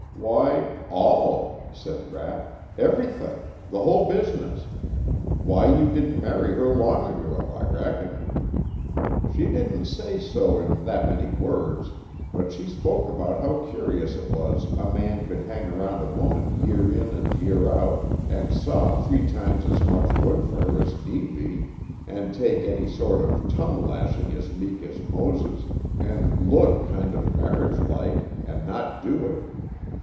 "Why, all," said Rapp. "Everything. The whole business. Why you didn't marry her long ago, I reckon. She didn't say so in that many words, but she spoke about how curious it was a man could hang around a woman year in and year out, and saw three times as much wood for her as need be, and take any sort of tongue lashing as meek as Moses, and look kind of marriage like, and not do it.